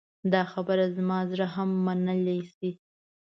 دا خبره زما زړه هم منلی شي.